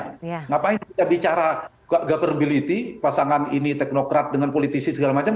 kenapa ini kita bicara gaparbility pasangan ini teknokrat dengan politisi segala macam